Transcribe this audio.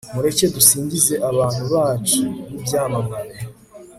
mureke dusingize abantu bacu b'ibyamamare